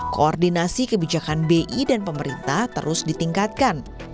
koordinasi kebijakan bi dan pemerintah terus ditingkatkan